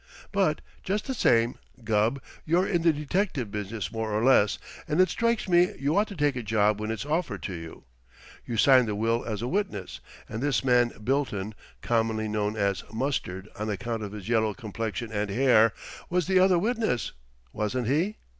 But, just the same, Gubb, you're in the detective business more or less, and it strikes me you ought to take a job when it's offered to you. You signed the will as a witness, and this man Bilton, commonly known as Mustard on account of his yellow complexion and hair, was the other witness, wasn't he?